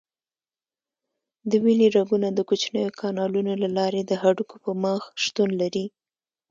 د وینې رګونه د کوچنیو کانالونو له لارې د هډوکو په مخ شتون لري.